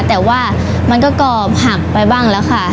แต่ว่ามันก็กรอบหักไปบ้างแล้วค่ะ